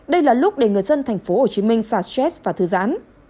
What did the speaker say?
đây là lúc để người dân tp hcm xa stress và thư giãn